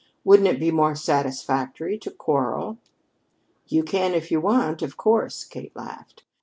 Wouldn't it be more satisfactory to quarrel?" "You can if you want, of course," Kate laughed.